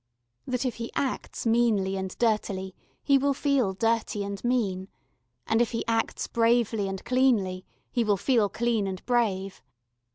That if he acts meanly and dirtily he will feel dirty and mean, and if he acts bravely and cleanly he will feel clean and brave.